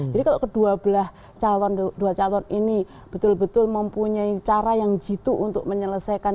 jadi kalau kedua calon ini betul betul mempunyai cara yang jitu untuk menyelesaikan